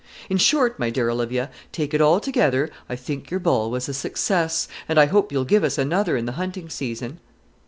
In short, my dear Olivia, take it altogether, I think your ball was a success, and I hope you'll give us another in the hunting season."